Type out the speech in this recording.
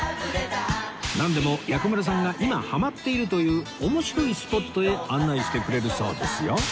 なんでも薬丸さんが今ハマっているという面白いスポットへ案内してくれるそうですよ